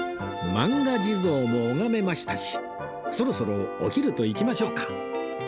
マンガ地蔵も拝めましたしそろそろお昼といきましょうか